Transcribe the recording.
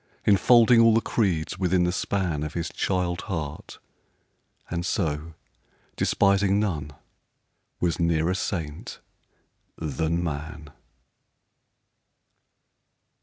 Enfolding all the creeds within the span Of his child heart; and so, despising none, Was nearer saint than man.